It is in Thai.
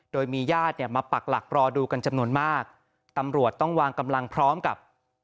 โดยมีญาติเนี่ยมาปักหลักรอดูกันจำนวนมากตำรวจต้องวางกำลังพร้อมกับ